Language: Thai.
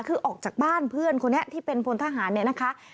คือออกจากบ้านเพื่อนคนนี้ที่เป็นพลทหารเนี่ยนะคะ